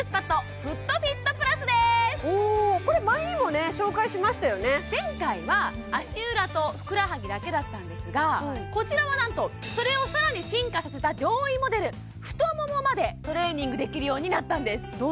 これ前にもね紹介しましたよねだけだったんですがこちらはなんとそれを更に進化させた上位モデル太ももまでトレーニングできるようになったんですへ！